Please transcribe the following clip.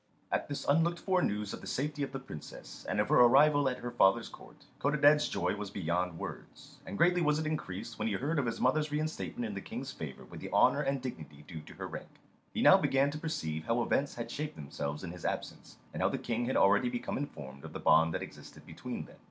At this unlooked for news of the safety of the Princess and of her arrival at his father's court, Codadad's joy was beyond words, and greatly was it increased when he heard of his mother's reinstatement in the King's favour with the honour and dignity due to her rank. He now began to perceive how events had shaped themselves in his absence, and how the King had already become informed of the bond that existed between them.